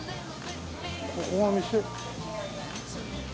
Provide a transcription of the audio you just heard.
ここが店？